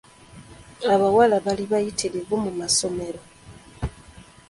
Abawala baali bayitirivu mu masomero.